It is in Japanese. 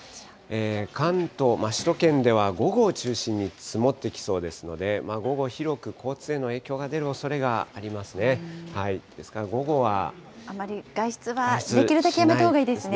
関東、首都圏では午後を中心に積もってきそうですので、午後広く交通への影響が出るおそれがありますね。